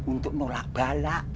untuk menolak bala